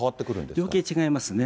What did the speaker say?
量刑違いますね。